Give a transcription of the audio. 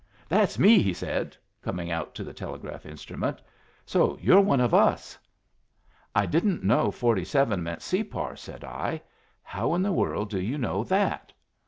"That's me," he said, coming out to the telegraph instrument. "So you're one of us?" "I didn't know forty seven meant Separ," said I. "How in the world do you know that?"